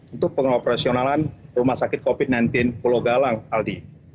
untuk pengoperasionalan rumah sakit covid sembilan belas pulau galang aldi